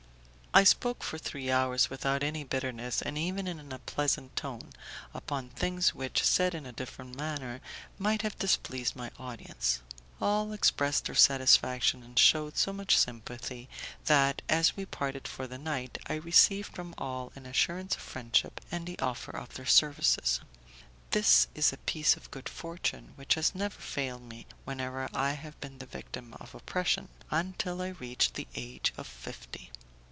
I spoke for three hours without any bitterness, and even in a pleasant tone, upon things which, said in a different manner, might have displeased my audience; all expressed their satisfaction, and shewed so much sympathy that, as we parted for the night, I received from all an assurance of friendship and the offer of their services. This is a piece of good fortune which has never failed me whenever I have been the victim of oppression, until I reached the age of fifty.